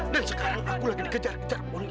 dan sekarang aku lagi dikejar kejar polisi